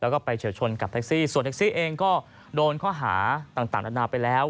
แล้วก็ไปเฉียวชนกับแท็กซี่ส่วนแท็กซี่เองก็โดนข้อหาต่างนานาไปแล้ว